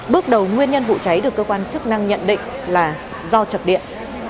bước đầu nguyên nhân vụ cháy được cơ quan chức năng nhận định là do chập điện